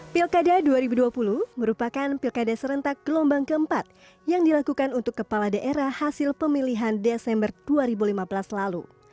pilkada dua ribu dua puluh merupakan pilkada serentak gelombang keempat yang dilakukan untuk kepala daerah hasil pemilihan desember dua ribu lima belas lalu